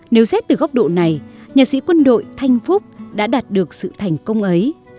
nếu xét từ góc độ này nhạc sĩ quân đội thanh phúc đã đạt được sự thành công ấy